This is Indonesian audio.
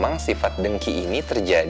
ada kan piringnya